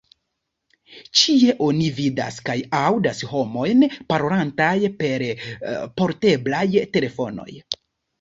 Ĉie oni vidas kaj aŭdas homojn parolantaj per porteblaj telefonoj.